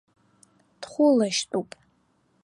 Дхәылашьтәуп!